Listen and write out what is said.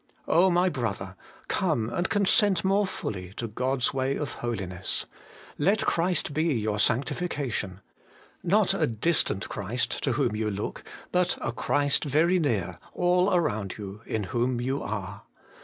my brother ! come and consent more fully to God's way of holiness. Let Christ be your sanctifi IN CHRIST OUR SANCTIFICATION. 199 cation. Not a distant Christ to whom you look, but a Christ very near, all around you, in whom you are.